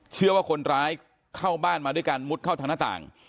เชื่อว่าคนร้ายเข้าบ้านมาด้วยการมุดเข้าทางหน้าต่าง